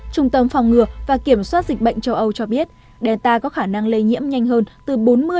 trung tâm phòng ngừa và kiểm soát dịch bệnh châu âu cho biết delta có khả năng lây nhiễm nhanh hơn từ bốn mươi